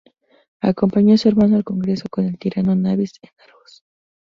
Acompañó a su hermano al congreso con el tirano Nabis en Argos.